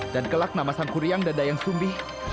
dan kelak nama sang kuryang dan dayang sumbi